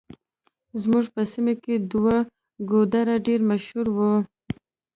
زموږ په سيمه کې دوه ګودره ډېر مشهور وو.